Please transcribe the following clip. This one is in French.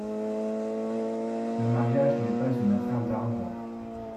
Le mariage n’est pas une affaire d’argent.